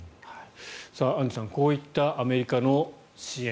アンジュさんこういったアメリカの支援